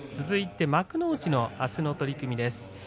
続いて幕内のあすの取組です。